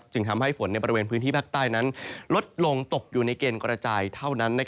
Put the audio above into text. จึงทำให้ฝนในบริเวณพื้นที่ภาคใต้นั้นลดลงตกอยู่ในเกณฑ์กระจายเท่านั้น